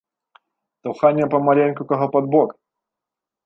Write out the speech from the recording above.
Таўхане памаленьку каго пад бок.